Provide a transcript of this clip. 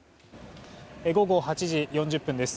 午後８時４０分です。